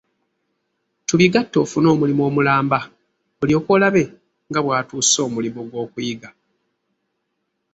Tubigatte, ofune omuntu omulamba, olyoke olabe nga bw'atuusa omulimo gw'okuyiga.